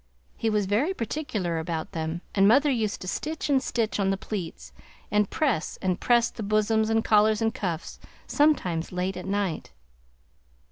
He was very particular about them and mother used to stitch and stitch on the pleats, and press and press the bosoms and collar and cuffs, sometimes late at night.